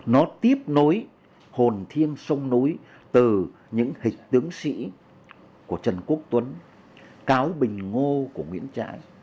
nó tiếp nối hồn thiên sông núi từ những hệ tướng sĩ của trần quốc tuấn cáo bình ngô của nguyễn trãi